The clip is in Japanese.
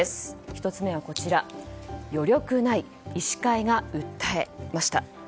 １つ目は、余力ない医師会が訴えました。